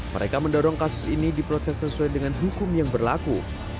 mereka mendorong kasus ini diproses sesuai dengan hukum yang berlaku